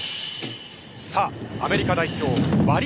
さあアメリカ代表ワリ・